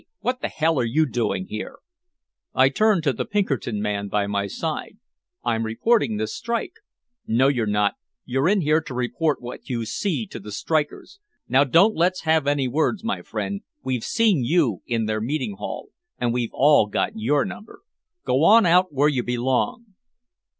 What the hell are you doing here!" I turned to the Pinkerton man by my side: "I'm reporting this strike." "No you're not, you're in here to report what you see to the strikers. Now don't let's have any words, my friend, we've seen you in their meeting hall and we've all got your number. Go on out where you belong!"